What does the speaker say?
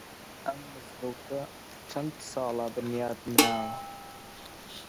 ئەم مزگەوتە چەند ساڵە بنیات نراوە؟